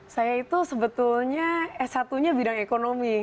saya itu sebetulnya s satu nya bidang ekonomi